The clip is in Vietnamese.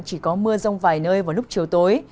chỉ có mưa rông vài nơi vào lúc chiều tối